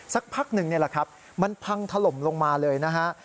สักพักหนึ่งนี่แหละครับมันพังถล่มลงมาเลยนะฮะ